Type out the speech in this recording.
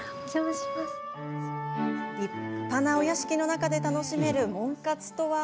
立派なお屋敷の中で楽しめるモン活とは。